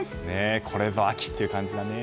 これぞ秋っていう感じだね。